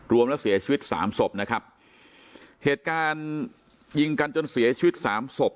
รวมแล้วเสียชีวิตสามศพนะครับเหตุการณ์ยิงกันจนเสียชีวิตสามศพ